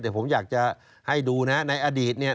แต่ผมอยากจะให้ดูนะในอดีตเนี่ย